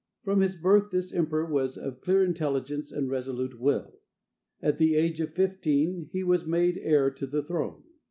From his birth this emperor was of clear intelligence and resolute will. At the age of fifteen he was made heir to the throne.